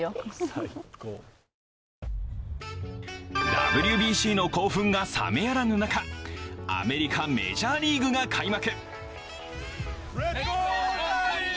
ＷＢＣの興奮が冷めやらぬ中、アメリカ・メジャーリーグが開幕。